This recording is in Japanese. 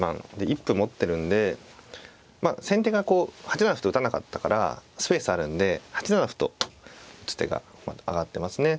一歩持ってるんで先手がこう８七歩と打たなかったからスペースあるんで８七歩と打つ手が挙がってますね。